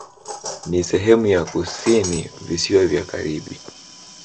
Ni sehemu ya kusini Visiwa vya Karibi.